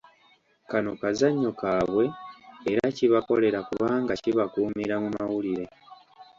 Kano kazannyo kaabwe era kibakolera kubanga kibakuumira mu mawulire.